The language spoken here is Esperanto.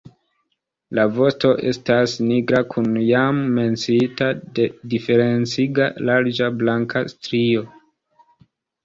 La vosto estas nigra kun jam menciita diferenciga larĝa blanka strio.